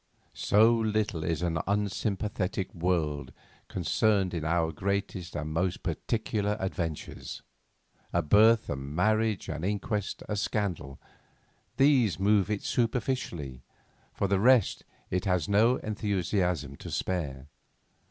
So little is an unsympathetic world concerned in our greatest and most particular adventures! A birth, a marriage, an inquest, a scandal—these move it superficially, for the rest it has no enthusiasm to spare.